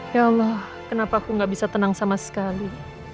ya allah kenapa aku nggak bisa tenang sama sekali